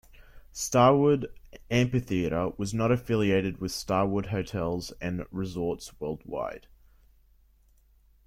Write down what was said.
Starwood Amphitheatre was not affiliated with Starwood Hotels and Resorts Worldwide.